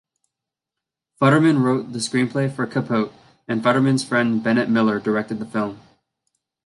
Futterman wrote the screenplay for "Capote", and Futterman's friend Bennett Miller directed the film.